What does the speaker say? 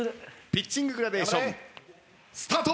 ピッチンググラデーションスタート！